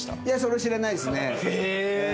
いやそれ知らないですね。